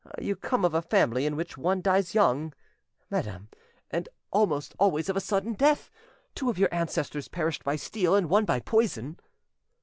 You come of a family in which one dies young, madam, and almost always of a sudden death: two of your ancestors perished by steel, and one by poison."